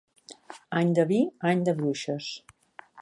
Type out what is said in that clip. Any de vi, any de bruixes.